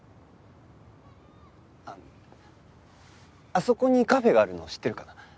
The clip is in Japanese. あっあそこにカフェがあるの知ってるかな？